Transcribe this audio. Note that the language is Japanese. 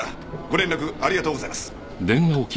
ご連絡ありがとうございます。